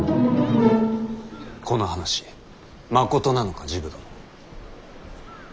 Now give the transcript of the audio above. この話まことなのか治部殿。